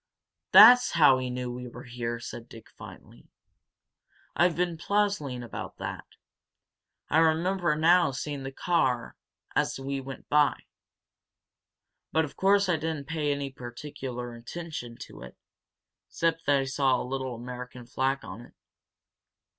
"That's how he knew we were here," said Dick finally. "I've been puzzling about that. I remember now seeing that car as we went by. But of course I didn't pay any particular attention to it, except that I saw a little American flag on it."